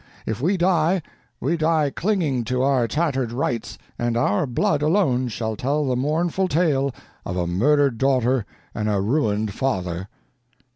If we die, we die clinging to our tattered rights, and our blood alone shall tell the mournful tale of a murdered daughter and a ruined father."